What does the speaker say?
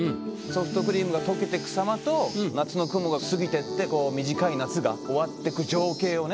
ソフトクリームが溶けていく様と夏の雲が過ぎてって短い夏が終わってく情景をね。